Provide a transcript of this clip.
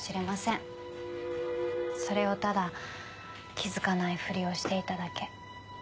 それをただ気付かないふりをしていただけ。